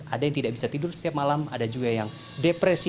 ada yang tidak bisa tidur setiap malam ada juga yang depresi